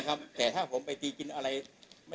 ขอขอขอขอขอขอขอขอขอขอขอขอขอขอขอขอขอ